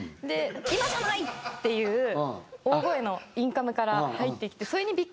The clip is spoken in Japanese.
「今じゃない！！」っていう大声のインカムから入ってきて。